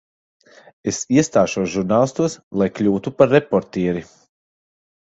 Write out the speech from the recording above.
Es iestāšos žurnālistos, lai kļūtu par reportieri.